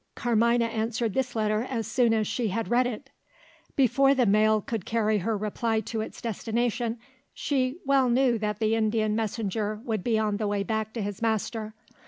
Carmina answered this letter as soon as she had read it. Before the mail could carry her reply to its destination, she well knew that the Indian messenger would be on the way back to his master.